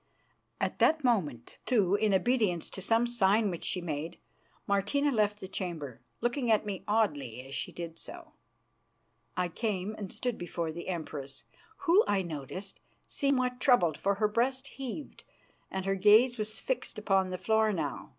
At that moment, too, in obedience to some sign which she made, Martina left the chamber, looking at me oddly as she did so. I came and stood before the Empress, who, I noted, seemed somewhat troubled, for her breast heaved and her gaze was fixed upon the floor now.